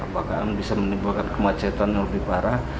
bahkan bisa menimbulkan kemacetan yang lebih parah